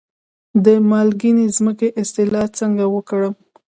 د مالګینې ځمکې اصلاح څنګه وکړم؟